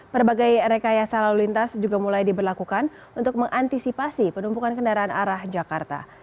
berbagai rekayasa lalu lintas juga mulai diberlakukan untuk mengantisipasi penumpukan kendaraan arah jakarta